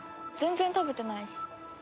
全然食べてないし。